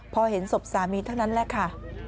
พอเห็นศพสามีเท่านั้นแหละค่ะ